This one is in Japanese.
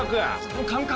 この感覚。